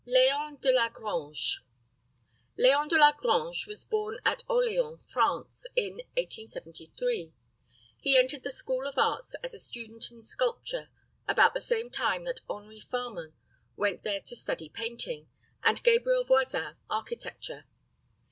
LEON DELAGRANGE. LEON DELAGRANGE was born at Orleans, France, in 1873. He entered the School of Arts as a student in sculpture, about the same time that Henri Farman went there to study painting, and Gabriel Voisin, architecture.